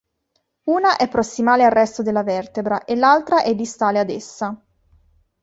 Una è prossimale al resto della vertebra e l'altra è distale ad essa.